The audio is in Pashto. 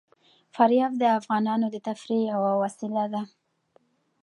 فاریاب د افغانانو د تفریح یوه وسیله ده.